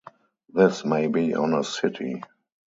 This may be on a city.